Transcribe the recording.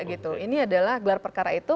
ini adalah gelar perkara itu